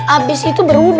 abis itu berhudu